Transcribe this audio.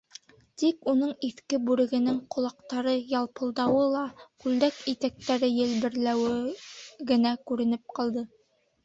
Тик уның иҫке бүрегенең ҡолаҡтары ялпылдауы ла, күлдәк итәктәре елберләүе генә күренеп ҡалды...